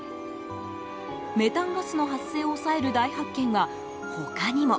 メタンガスの発生を抑える大発見が他にも。